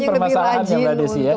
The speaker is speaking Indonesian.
ini permasalahan ya mbak desi ya